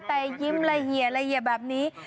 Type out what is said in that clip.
แต่ยิ้มละเอียดแบบนี้